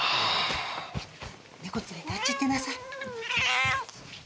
猫連れてあっち行ってなさい。